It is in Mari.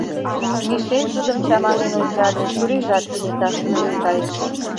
— Мишель тудым чаманен ончале, чурийжат кенета шыдешт кайыш.